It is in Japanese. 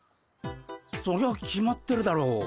そりゃ決まってるだろ。